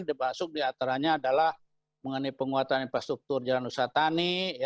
termasuk di atasnya adalah mengenai penguatan infrastruktur jalan usaha tani